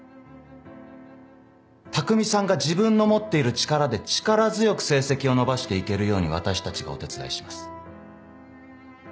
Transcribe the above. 匠さんが自分の持っている力で力強く成績を伸ばして行けるように私たちがお手伝いします。